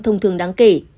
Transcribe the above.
thông thường đáng kể